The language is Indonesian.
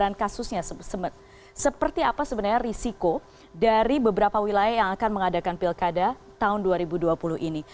nah seperti apa sebenarnya risiko dari beberapa wilayah yang akan mengadakan pilkada tahun dua ribu dua puluh ini